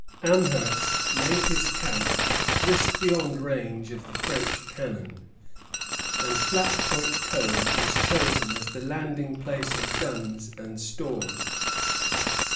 Amherst made his camp just beyond range of the French cannon, and Flat Point Cove was chosen as the landing place of guns and stores.